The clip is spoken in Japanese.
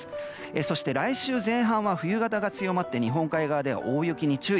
そして来週前半は冬型強まって日本海側で大雪に注意。